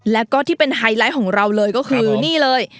แล้วก็ที่เป็นไฮไลท์ของเราเลยก็คือนี่เลย